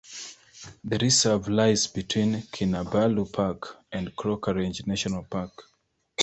The reserve lies between Kinabalu Park and Crocker Range National Park.